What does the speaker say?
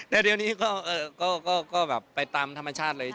แต่เดี๋ยวนี้ก็แบบไปตามธรรมชาติเลย